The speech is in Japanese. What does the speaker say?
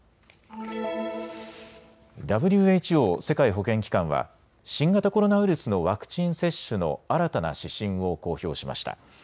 ＷＨＯ・世界保健機関は新型コロナウイルスのワクチン接種の新たな指針を公表しました。